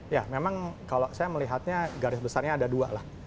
ya memang kalau saya melihatnya garis besarnya ada dua lah